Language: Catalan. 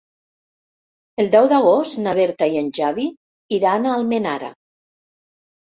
El deu d'agost na Berta i en Xavi iran a Almenara.